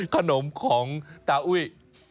ขนมของตาอุ้ย